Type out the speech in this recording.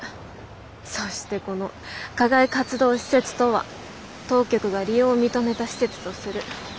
そしてこの「課外活動施設とは当局が利用を認めた施設とする」。